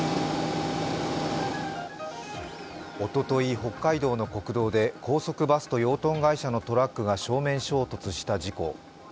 おととい、北海道の国道で高速バスと養豚会社のトラックが正面衝突した事故。